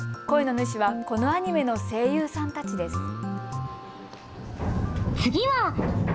声の主はこのアニメの声優さんたちです。